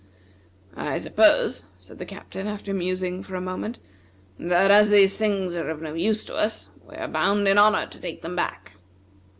"I suppose," said the Captain, after musing for a moment, "that as these things are of no use to us, we are bound in honor to take them back."